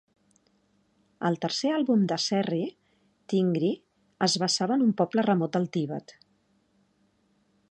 El tercer àlbum de Serrie, "Tingri", es basava en un poble remot del Tibet.